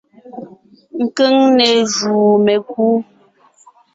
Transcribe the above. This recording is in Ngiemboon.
Keŋne jùu mekú.